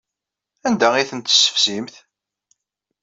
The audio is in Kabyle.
Anda ay tent-tessefsimt?